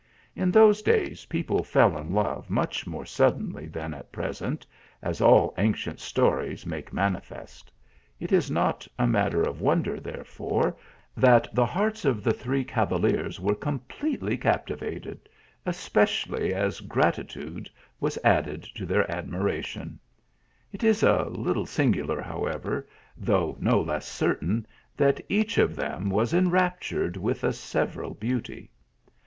In those days, people fell in love much more suddenly than at present, as all ancient stories make manifest ; THREE BEAUTIFUL PRINCESSES. 141 It Is not a matter of wonder, therefore, that the hearts of the three cavaliers were completely capti vated ; especially as gratitude was added to their admiration : it is a little singular, however, though no less certain, that each of them was enraptured with a several beauty.